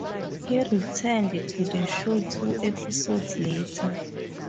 He returned to the show two episodes later.